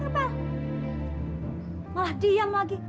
cepat nih pak